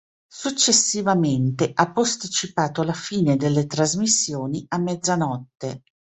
Successivamente ha posticipato la fine delle trasmissioni a mezzanotte.